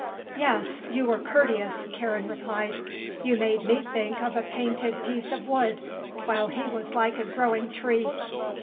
"Yes, you were courteous," Karen replied. "You made me think of a painted piece of wood while he was like a growing tree."